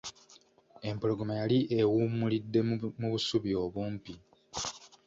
Empologoma yali ewumulidde mu busubi obumpi.